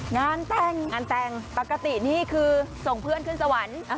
งานแต่งงานแต่งปกตินี่คือส่งเพื่อนขึ้นสวรรค์